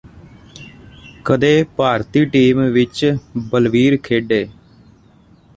ਕਦੇ ਭਾਰਤੀ ਟੀਮ ਵਿਚ ਬਲਵੀਰ ਖੇਡੇ